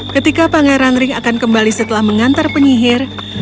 ketika pangeran ring akan kembali setelah mengantar penyihir